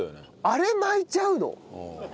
あれ巻いちゃうの？